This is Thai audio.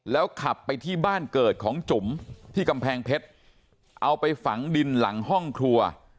แล้วขับไปที่บ้านเกิดของจุ๋มที่กำแพงเพชรเอาไปฝังดินหลังห้องครัว